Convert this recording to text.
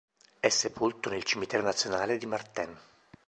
È sepolto nel Cimitero nazionale di Martin.